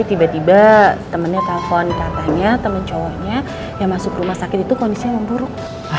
tiba tiba temennya telfon katanya temen cowoknya yang masuk rumah sakit itu kondisinya buruk